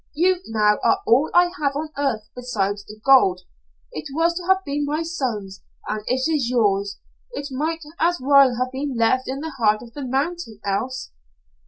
You, now, are all I have on earth besides the gold. It was to have been my son's, and it is yours. It might as well have been left in the heart of the mountain, else."